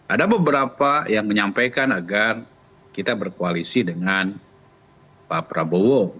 ada beberapa yang menyampaikan agar kita berkoalisi dengan pak prabowo